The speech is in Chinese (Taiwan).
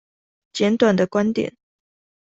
簡短的觀點